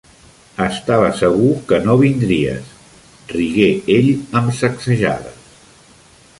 "Estava segur que no vindries," rigué ell amb sacsejades.